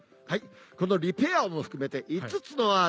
このリペアも含めて「５つのＲ」。